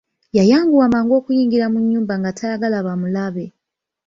Yayanguwa mangu okuyingira mu nnyumba nga tayagala bamulabe.